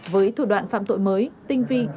với thủ đoạn phạm tội mới tinh vi